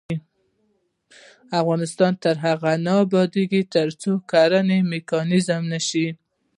افغانستان تر هغو نه ابادیږي، ترڅو کرنه میکانیزه نشي.